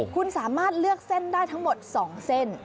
คุณสามารถเลือกเส้นได้ทั้งหมด๒เส้น